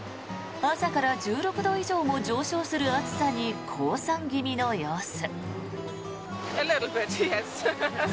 朝から１６度以上も上昇する暑さに降参気味の様子。